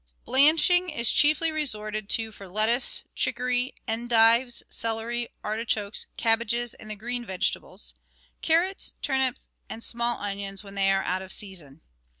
Blanching is chiefly resorted to for lettuce, chicory, endives, celery, artichokes, cabbages, and the green vegetables; carrots, turnips, and small onions when they are out of season.